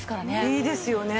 いいですよね。